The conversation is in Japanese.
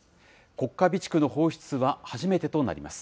国家備蓄の放出は初めてとなります。